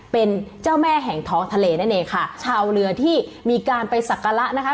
เป็นเจ้าแม่แห่งท้องทะเลนั่นเองค่ะชาวเรือที่มีการไปสักการะนะคะ